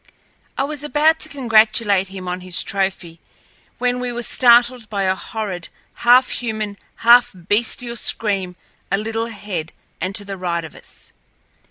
I was about to congratulate him on his trophy when we were startled by a horrid, half human, half bestial scream a little ahead and to the right of us.